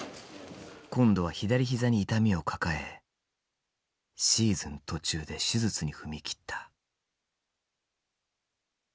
今度は左膝に痛みを抱えシーズン途中で手術に踏み切った。